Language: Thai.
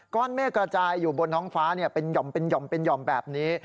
ก้อนเมฆกระจายอยู่บนท้องฟ้าเป็นหย่อมแบบนี้